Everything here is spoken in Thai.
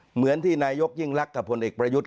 เหมือนที่นายกยิ่งรักกับผลเอกประยุทธ์